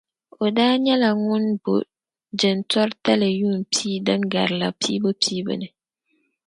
O daa nyɛla ŋun bo jintori tali yuun' pia din garila piibu piibu ni.